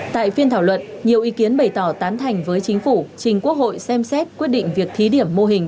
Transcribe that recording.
tại phiên thảo luận nhiều ý kiến bày tỏ tán thành với chính phủ trình quốc hội xem xét quyết định việc thí điểm mô hình